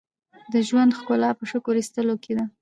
• د ژوند ښکلا په شکر ایستلو کې ده.